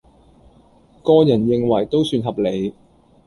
個人認為都算合理